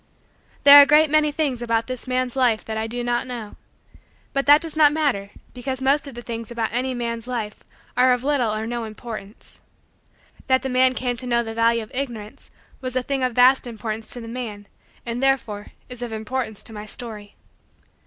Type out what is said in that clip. There are a great many things about this man's life that I do not know. But that does not matter because most of the things about any man's life are of little or no importance. That the man came to know the value of Ignorance was a thing of vast importance to the man and, therefore, is of importance to my story.